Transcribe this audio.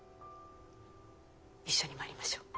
一緒に参りましょう。